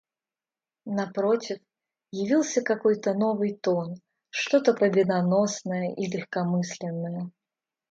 Напротив, явился какой-то новый тон, что-то победоносное и легкомысленное.